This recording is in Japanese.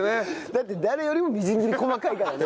だって誰よりもみじん切り細かいからね。